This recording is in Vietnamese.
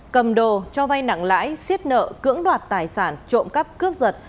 cầm đồ cho vay nặng lãi xiết nợ cưỡng đoạt tài sản trộm cắp cướp giật